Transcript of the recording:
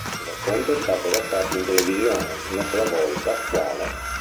Il racconto è stato adattato in televisione una sola volta, quale